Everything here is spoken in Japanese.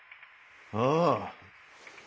ああ。